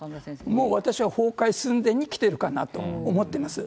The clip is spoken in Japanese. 私はもう崩壊寸前に来てるかなって思ってます。